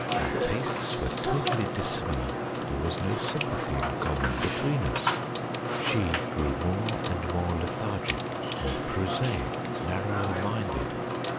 Our tastes were totally dissimilar. There was no sympathy in common between us. She grew more and more lethargic, more prosaic, narrower minded.